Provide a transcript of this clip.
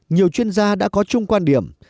nhiều chuyên gia đã có chung quan điểm